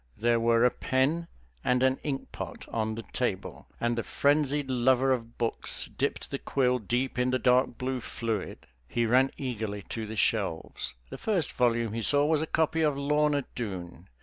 There were a pen and an inkpot on the table, and the frenzied lover of books dipped the quill deep in the dark blue fluid. He ran eagerly to the shelves. The first volume he saw was a copy of "Lorna Doone."